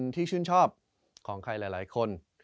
ที่ชื่นชอบของใครหลายคน